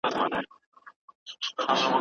په پوهنتون کي باید د څيړني اصول مراعات سي.